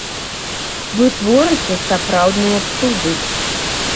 Вы творыце сапраўдныя цуды.